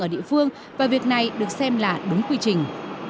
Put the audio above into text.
ở địa phương và việc này được xem là đúng quy trình